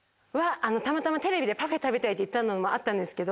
たまたまテレビで。って言ったのもあったんですけど。